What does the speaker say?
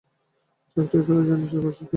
চেকটা ইস্যু হয়েছে আনিসের অফিস থেকে।